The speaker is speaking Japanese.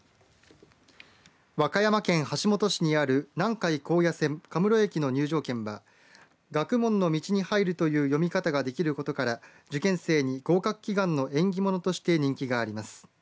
和歌山県橋本市にある南海高野線学文路駅の入場券は学問の路に入るという読み方ができることから受験生に合格祈願の縁起物として人気があります。